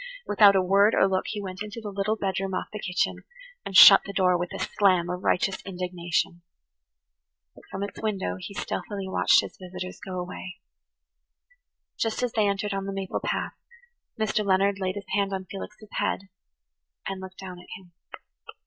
Without a word or look he went into the little bedroom off the kitchen and shut the door with a slam of righteous indignation. But from its window he [Page 92] stealthily watched his visitors go away. Just as they entered on the maple path Mr. Leonard laid his hand on Felix's head and looked down at him.